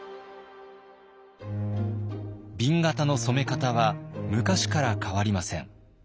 紅型の染め方は昔から変わりません。